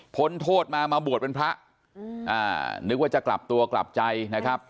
โทษมามาบวชเป็นพระนึกว่าจะกลับตัวกลับใจนะครับ